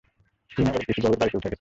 শ্রীনগরে ঋষিবরবাবুর বাড়ীতে ওঠা গেছে।